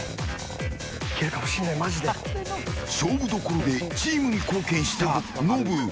勝負どころでチームに貢献したノブ。